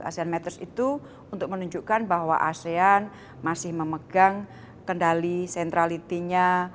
asean matters itu untuk menunjukkan bahwa asean masih memegang kendali centrality nya